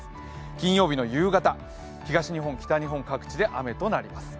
金曜日の夕方、東日本、北日本各地で雨となります。